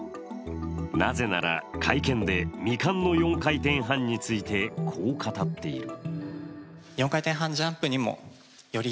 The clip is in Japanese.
なぜなら会見で、未完の４回転半について、こう語っている。